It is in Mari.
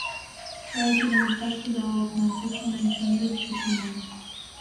— О-о, тидым ышташ тудо ала-кунамсек шонен, чын вет? — чӱчӱ мане.